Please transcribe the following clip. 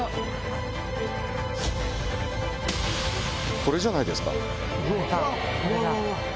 これじゃないですか？